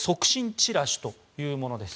チラシというものです。